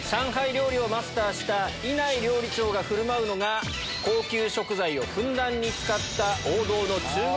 料理をマスターした稲飯料理長が振る舞うのが高級食材をふんだんに使った。